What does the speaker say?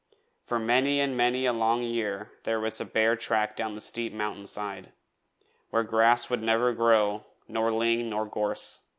For many and many a long year there was a bare track down the steep mountain side, where grass would never grow, nor ling, nor gorse.